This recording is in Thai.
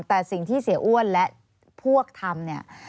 แต่สิ่งที่เสียอ้วนและพวกทำเนี่ย